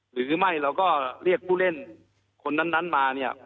หรือไม่เราก็เรียกผู้เล่นคนนั้นมาเนี่ย